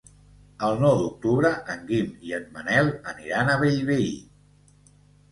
El nou d'octubre en Guim i en Manel aniran a Bellvei.